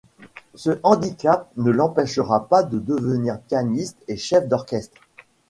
Ce handicap ne l'empêchera pas de devenir pianiste et chef d'orchestre.